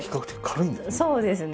そうですね。